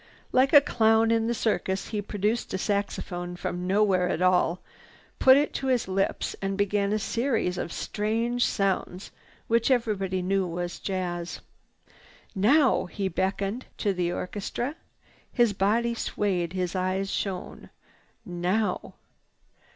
Like a clown in the circus, he produced a saxophone from nowhere at all, put it to his lips and began a series of strange sounds which everyone knew was jazz. "Now!" He beckoned to the orchestra. His body swayed. His eyes shone. "Now!"